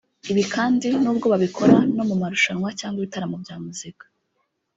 Ibi kandi n’ubwo babikora no mu marushanwa cyangwa ibitaramo bya muzika